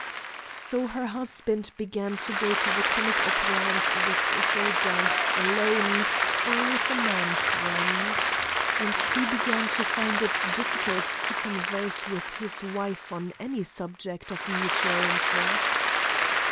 So her husband began to go to the comic opera and the social dance alone or with a man friend. And he began to find it difficult to converse with his wife on any subject of mutual interest.